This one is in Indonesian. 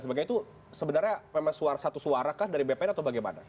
sebagainya itu sebenarnya memang satu suara kah dari bpn atau bagaimana